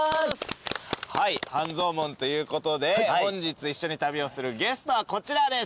はい半蔵門ということで本日一緒に旅をするゲストはこちらです。